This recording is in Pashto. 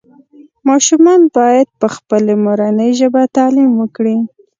ماشومان باید پخپلې مورنۍ ژبې تعلیم وکړي